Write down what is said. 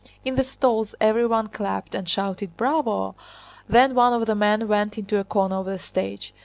In the stalls everyone clapped and shouted "bravo!" Then one of the men went into a corner of the stage.